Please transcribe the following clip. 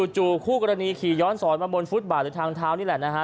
จู่คู่กรณีขี่ย้อนสอนมาบนฟุตบาทหรือทางเท้านี่แหละนะฮะ